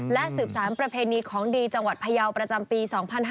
และสืบสารประเพณีของดีจังหวัดพยาวประจำปี๒๕๕๙